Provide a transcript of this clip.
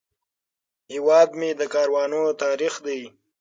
هیواد مې د کاروانو تاریخ دی